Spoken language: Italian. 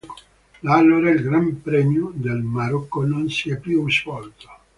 Da allora il Gran Premio del Marocco non si è più svolto.